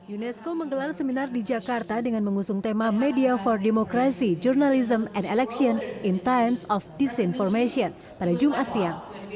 unesco menggelar seminar di jakarta dengan mengusung tema media for democracy journalism and election in times of disinformation pada jumat siang